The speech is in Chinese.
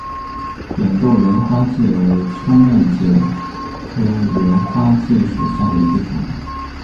扁豆缘花介为粗面介科缘花介属下的一个种。